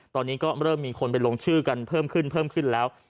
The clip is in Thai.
ตอนนี้ก็เริ่มมีคนไปลงชื่อกันเพิ่มขึ้นเพิ่มขึ้นแล้ว